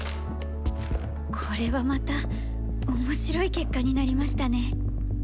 これはまた面白い結果になりましたね。